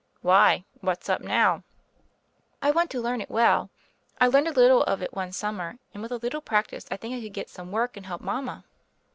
"Why, what's up now?" "I want to learn it well. I learned a little of it one summer, and with a little practice I think I could get some work and help mama."